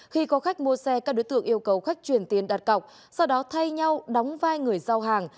khi có khách mua xe các đối tượng yêu cầu khách chuyển tiền đặt cọc sau đó thay nhau đóng vai người giao hàng